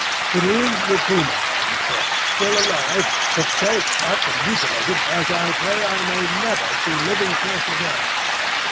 "It is the puma," I said, "still alive, but so cut and mutilated as I pray I may never see living flesh again.